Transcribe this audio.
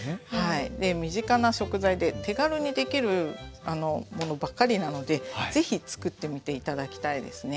で身近な食材で手軽にできるものばかりなので是非作ってみて頂きたいですね。